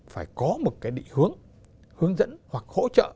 phải có một địa hướng hướng dẫn hoặc hỗ trợ